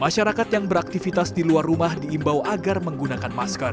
masyarakat yang beraktivitas di luar rumah diimbau agar menggunakan masker